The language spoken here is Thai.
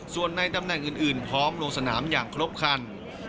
ส่วนในตำแหน่งอื่นพร้อมลงสนามอย่างครบคัน